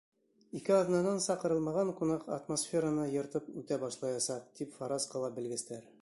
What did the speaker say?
Ике аҙнанан саҡырылмаған ҡунаҡ атмосфераны йыртып үтә башлаясаҡ, тип фараз ҡыла белгестәр.